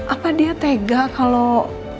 apa dia tega kalau